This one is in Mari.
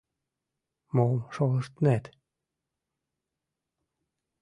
Мом шолыштнет?